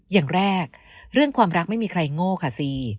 อย่างแรกเรื่องความรักไม่มีใครโง่ค่ะซี